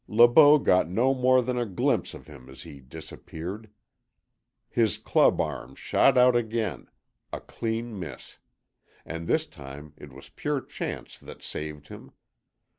Le Beau got no more than a glimpse of him as he disappeared. His club arm shot out again, a clean miss; and this time it was pure chance that saved him.